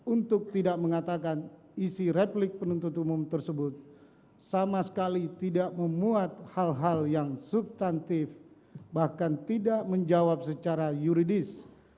untuk tidak mengatakan isi replik penuntut umum tersebut sama sekali tidak memuat hal hal yang substantif bahkan tidak menjawab secara yuridis